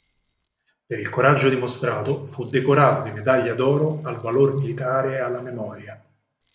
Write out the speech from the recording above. Per il coraggio dimostrato fu decorato di Medaglia d'oro al valor militare alla memoria.